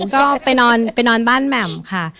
ก็ไปนอนไปนอนบ้านแหม่มค่ะ